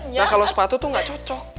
nah kalau sepatu tuh gak cocok